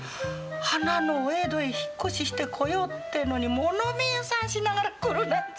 花のお江戸へ引っ越ししてこようってのに物見遊山しながら来るなんざ。